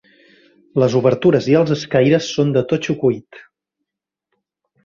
Les obertures i els escaires són de totxo cuit.